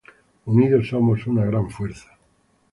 Unidos somos una gran fuerza.